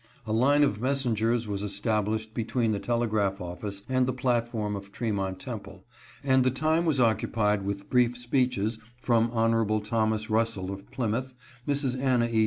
A line of messengers was established between the telegraph office and the plat form of Tremont Temple, and the time was occupied with brief speeches from Hon. Thomas Russell of Plymouth, Miss Anna E.